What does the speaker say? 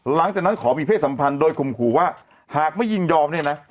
หลังจากนั้นขอมีเพศสัมพันธ์โดยข่มขู่ว่าหากไม่ยินยอมเนี่ยนะ